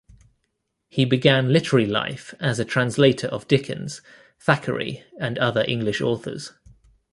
He began literary life as a translator of Dickens, Thackeray, and other English authors.